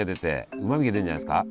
うまみが出るんじゃないですか？